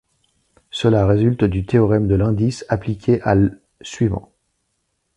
Cela résulte du théorème de l'indice appliqué à l’ suivant.